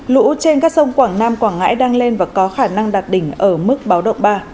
lũ trên các sông quảng nam quảng ngãi đang lên và có khả năng đạt đỉnh ở mức báo động ba